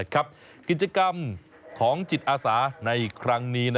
กิจกรรมของจิตอาสาในครั้งนี้